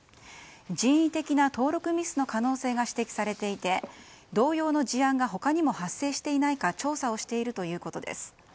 人為的な登録ミスの可能性が指摘されていて同様の事案が他にも発生していないか調査をしているということです。